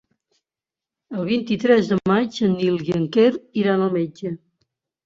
El vint-i-tres de maig en Nil i en Quer iran al metge.